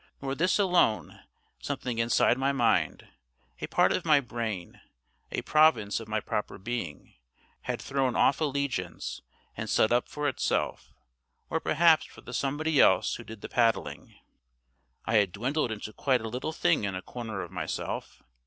Nor this alone: something inside my mind, a part of my brain, a province of my proper being, had thrown off allegiance and set up for itself, or perhaps for the somebody else who did the paddling. I had dwindled into quite a little thing in a corner of myself.